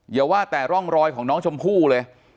อย่าว่าแต่ร่องรอยของน้องชมพู่เลย